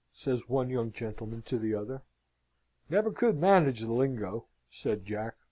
says one young gentleman to the other. "Never could manage the lingo," said Jack.